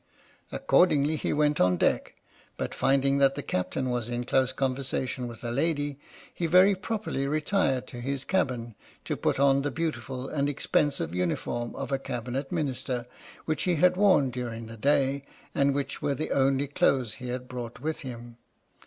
Accordingly he went on deck, but finding that the Captain was in close conversation with a lady, he very properly retired to his cabin to put on the beautiful and expensive uniform of a Cabinet Minister which he had worn during the day, and which were the only clothes he had brought with him.